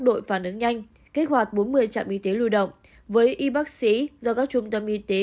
đội phản ứng nhanh kích hoạt bốn mươi trạm y tế lưu động với y bác sĩ do các trung tâm y tế